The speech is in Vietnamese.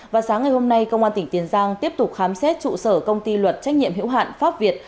và sáng ngày hôm nay công an tỉnh tiền giang tiếp tục khám xét trụ sở công ty luật trách nhiệm hiệu hạn pháp việt